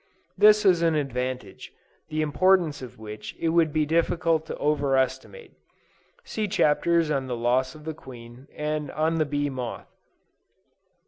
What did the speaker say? This is an advantage, the importance of which it would be difficult to over estimate. (See Chapters on the loss of the queen, and on the Bee Moth.)